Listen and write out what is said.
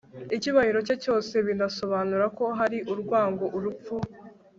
icyubahiro cye cyose. binasobanura ko hari urwango, urupfu